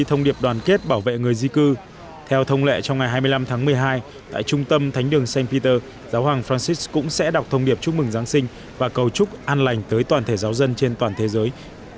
trong ngày hai mươi năm tháng một mươi hai tại trung tâm thánh đường st peter giáo hoàng francis cũng sẽ đọc thông điệp chúc mừng giáng sinh và cầu chúc an lành tới toàn thể giáo dân trên toàn thế giới